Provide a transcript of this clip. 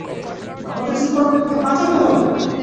আমাদের সুপারম্যানকে বাঁচাতে হবে।